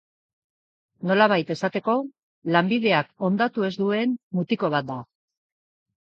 Nolabait esateko, lanbideak hondatu ez duen mutiko bat da.